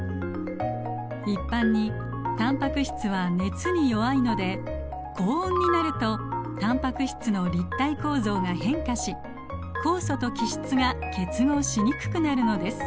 一般にタンパク質は熱に弱いので高温になるとタンパク質の立体構造が変化し酵素と基質が結合しにくくなるのです。